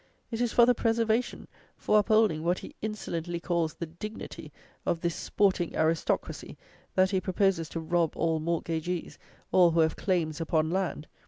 It is for the preservation, for upholding what he insolently calls the "dignity" of this sporting aristocracy, that he proposes to rob all mortgagees, all who have claims upon land!